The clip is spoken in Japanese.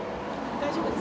大丈夫です。